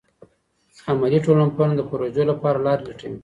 عملي ټولنپوهنه د پروژو لپاره لارې لټوي.